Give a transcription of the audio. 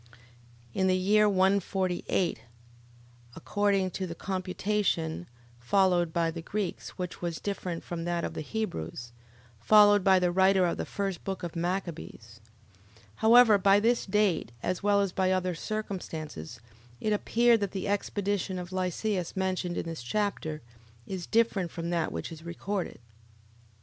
In the year 148... Viz., according to the computation followed by the Greeks; which was different from that of the Hebrews, followed by the writer of the first book of Machabees. However, by this date, as well as by other circumstances, it appears that the expedition of Lysias, mentioned in this chapter, is different from that which is recorded, 1 Mac. 6. 11:22.